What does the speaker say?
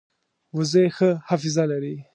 وزې ښه حافظه لري